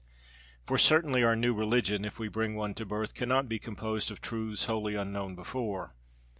For certainly our 'new religion,' if we bring one to birth, cannot be composed of truths wholly unknown before.